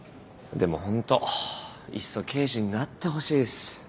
でもホントいっそ刑事になってほしいっす。